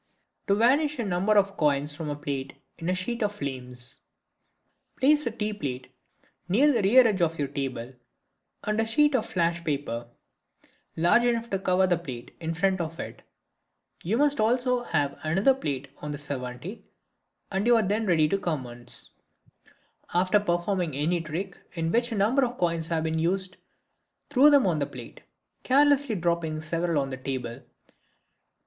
To Vanish a Number of Coins from a Plate in a Sheet of Flames.—Place a tea plate near the rear edge of your table, and a sheet of "flash" paper, large enough to cover the plate, in front of it. You must also have another plate on the servante and you are then ready to commence. After performing any trick in which a number of coins have been used, throw them on the plate, carelessly dropping several on the table.